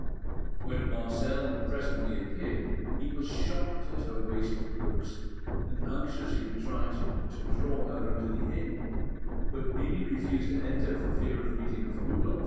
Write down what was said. When Marcel presently appeared, he was shocked at her wasted looks, and anxiously tried to draw her into the inn; but Mimi refused to enter for fear of meeting with Rudolf.